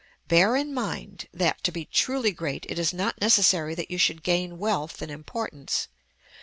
Bear in mind, that, to be truly great, it is not necessary that you should gain wealth and importance.